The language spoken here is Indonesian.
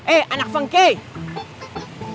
eh anak vengkih